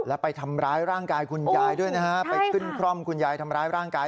แล้วไปทำร้ายร่างกายคุณยายด้วยนะฮะไปขึ้นคร่อมคุณยายทำร้ายร่างกาย